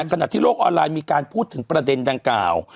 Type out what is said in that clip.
ขณะที่โลกออนไลน์มีการพูดถึงประเด็นดังกล่าว